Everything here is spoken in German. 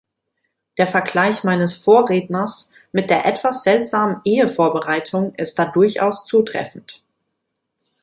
Der Vergleich meines Vorredners mit der etwas seltsamen Ehevorbereitung ist da durchaus zutreffend.